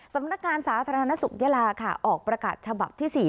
สำนักงานสาธารณสุขยาลาค่ะออกประกาศฉบับที่๔